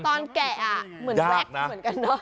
ตอนแกะอ่ะเหมือนแว๊กซ์เหมือนกันเนอะ